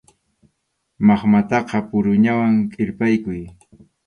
Maqmataqa puruñawan kirpaykuy.